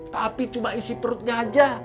tapi cuma isi perutnya aja